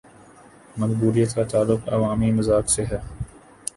مقبولیت کا تعلق عوامی مذاق سے ہے۔